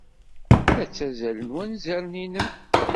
La ttazzalen wanzaren-nnem.